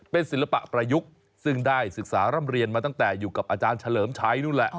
เป็นศิลปประยุกต์ซึ่งได้ศึกษาร่ำเรียนมาตั้งแต่อยู่กับอาจารย์เฉย์